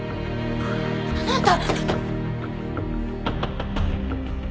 あなた！